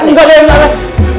enggak enggak enggak